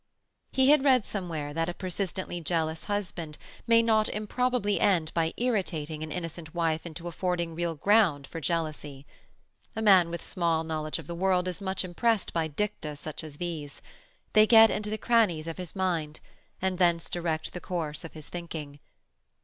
He had read somewhere that a persistently jealous husband may not improbably end by irritating an innocent wife into affording real ground for jealousy. A man with small knowledge of the world is much impressed by dicta such as these; they get into the crannies of his mind, and thence direct the course of his thinking.